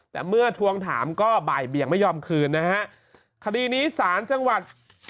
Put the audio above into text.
แต่เมื่อทวงถามก็บ่ายเบียงไม่ยอมคืนนะฮะคดีนี้ศาลจังหวัด